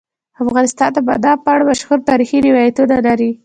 افغانستان د بادام په اړه مشهور تاریخی روایتونه لري.